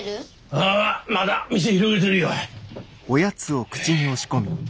ああまだ店広げてるよ。